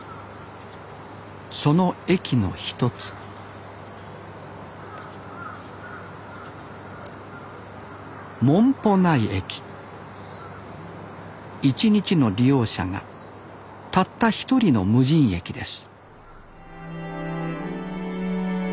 その駅の一つ１日の利用者がたった一人の無人駅です